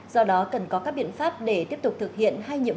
do đó cần có các biện pháp để tiếp tục thực hiện các biện pháp này